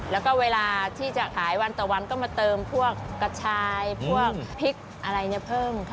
แล้วก็เวลาที่จะขายวันต่อวันก็มาเติมพวกกระชายพวกพริกอะไรเนี่ยเพิ่ม